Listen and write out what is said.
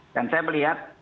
dan saya melihat